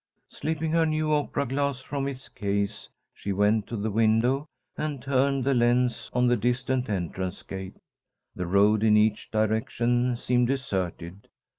Slipping her new opera glass from its case, she went to the window and turned the lens on the distant entrance gate. The road in each direction seemed deserted.